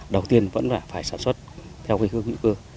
đầu tiên vẫn là phải sản xuất theo cái hướng hữu cơ